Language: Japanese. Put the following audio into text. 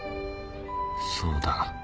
そうだ